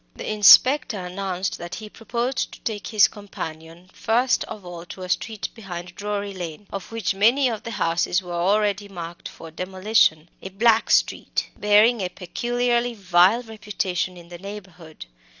The inspector announced that he proposed to take his companion first of all to a street behind Drury Lane, of which many of the houses were already marked for demolition a "black street," bearing a peculiarly vile reputation in the neighbourhood.